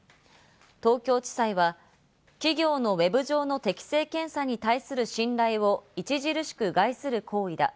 東京地裁は企業のウェブ上の適性検査に対する信頼を著しく害する行為だ。